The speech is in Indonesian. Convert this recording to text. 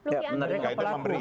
ya mereka pelaku